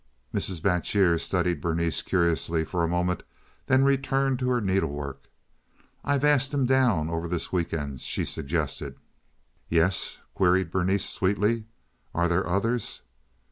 Mrs. Batjer studied Berenice curiously for a moment, then returned to her needlework. "I've asked him down over this week end," she suggested. "Yes?" queried Berenice, sweetly. "Are there others?"